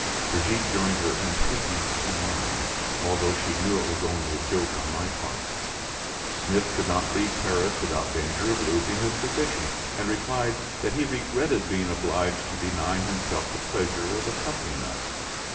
Brigitte joined her entreaties to mine, although she knew it was only a joke on my part. Smith could not leave Paris without danger of losing his position and replied that he regretted being obliged to deny himself the pleasure of accompanying us.